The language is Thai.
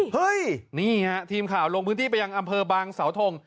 เฮ้ยนี่ฮะทีมข่าวลงพื้นที่ไปยังอำเภอบางสาวทง